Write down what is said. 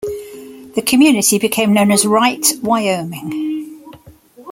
The community became known as Wright, Wyoming.